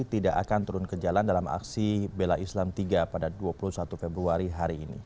tidak akan turun ke jalan dalam aksi bela islam tiga pada dua puluh satu februari hari ini